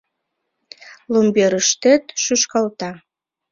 Ломберыштет шӱшкалта.